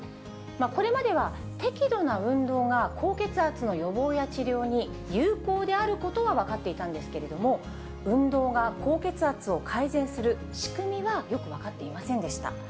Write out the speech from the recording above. これまでは適度な運動が高血圧の予防や治療に有効であることは分かっていたんですけれども、運動が高血圧を改善する仕組みはよく分かっていませんでした。